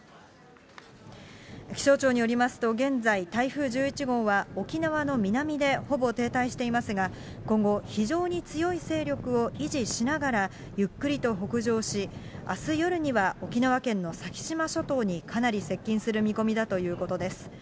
気象庁によりますと、現在、台風１１号は沖縄の南でほぼ停滞していますが、今後非常に強い勢力を維持しながら、ゆっくりと北上し、あす夜には沖縄県の先島諸島にかなり接近する見込みだということです。